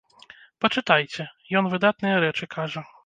Пачытайце, ён выдатныя рэчы кажа.